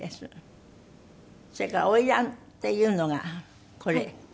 それから『花魁』っていうのがこれ。